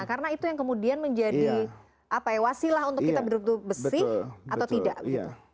karena itu yang kemudian menjadi wasilah untuk kita berbentuk besi atau tidak